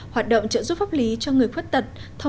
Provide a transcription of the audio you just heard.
hoạt động trợ giúp pháp lý cho người khuyết tật